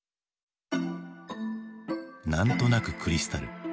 「なんとなく、クリスタル」。